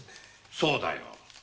そうだよ。